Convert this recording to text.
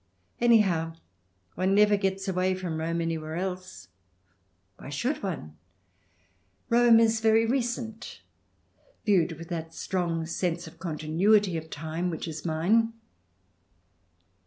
Anyhow, one never gets away from Rome anywhere else. Why should one ? Rome is very recent, viewed with that strong sense of continuity of time which is mine.